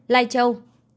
ba mươi bốn lai châu